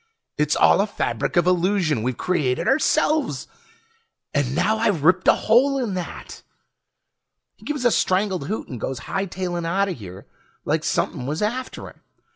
It's all a fabric of illusion we've created ourselves! And now I've ripped a hole in that!" He gives a strangled hoot and goes hightailin' outta here like somepin' was after him.